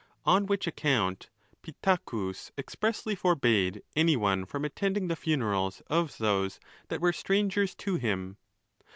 On which account Pittacus ex pressly forbade any one from attending the funeralsvof tihese that were strangers to him.